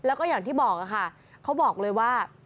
แล้วก็อย่างที่บอกค่ะเขาบอกเลยว่า